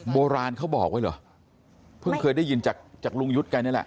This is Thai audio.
โบราณเขาบอกไว้เหรอเพิ่งเคยได้ยินจากลุงยุทธ์แกนี่แหละ